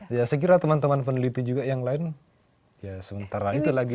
ya saya kira teman teman peneliti juga yang lain ya sementara itu lagi